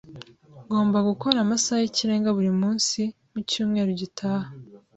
Ngomba gukora amasaha y'ikirenga buri munsi mucyumweru gitaha.